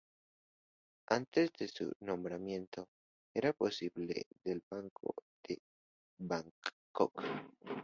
Antes de su nombramiento, era Presidente del Banco de Bangkok.